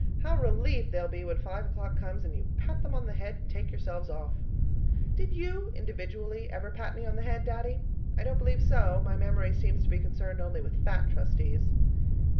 How relieved they'll be when five o'clock comes and you pat them on the head and take yourselves off! Did you (individually) ever pat me on the head, Daddy? I don't believe so my memory seems to be concerned only with fat Trustees.